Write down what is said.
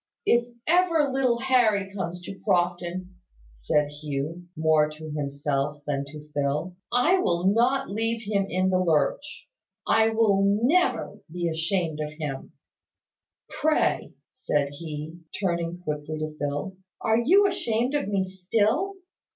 "If ever little Harry comes to Crofton," said Hugh, more to himself than to Phil, "I will not leave him in the lurch, I will never be ashamed of him. Pray," said he, turning quickly to Phil, "are you ashamed of me still?"